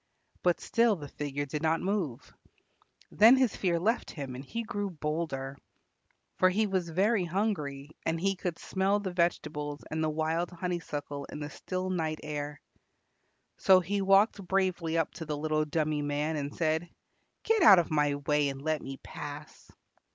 But still the figure did not move. Then his fear left him and he grew bolder, for he was very hungry, and he could smell the vegetables and the wild honeysuckle in the still night air. So he walked bravely up to the little dummy man and said, "Get out of my way and let me pass."